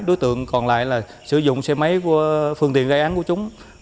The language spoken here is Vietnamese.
đối tượng còn lại là sử dụng xe máy của phương tiện gây án của chúng